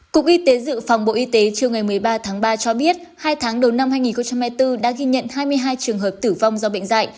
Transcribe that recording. cục y tế dự phòng bộ y tế chiều ngày một mươi ba tháng ba cho biết hai tháng đầu năm hai nghìn hai mươi bốn đã ghi nhận hai mươi hai trường hợp tử vong do bệnh dạy